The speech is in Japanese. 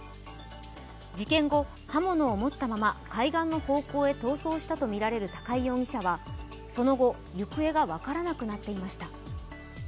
事件後、刃物を持ったまま海岸の方向へ逃走したとみられる高井容疑者はその後、行方が分からなくなっていました。